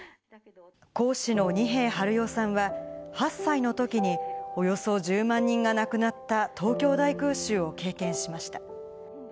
講師の二瓶治代さんは、８歳のときに、およそ１０万人が亡くなった東京大空襲を経験しました。